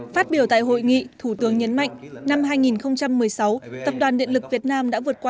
phát biểu tại hội nghị thủ tướng nhấn mạnh năm hai nghìn một mươi sáu tập đoàn điện lực việt nam đã vượt qua